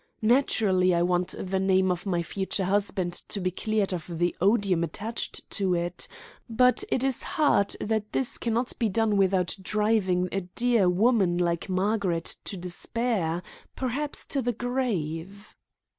"Naturally, I want the name of my future husband to be cleared of the odium attached to it, but it is hard that this cannot be done without driving a dear woman like Margaret to despair, perhaps to the grave."